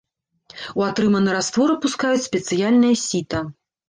У атрыманы раствор апускаюць спецыяльнае сіта.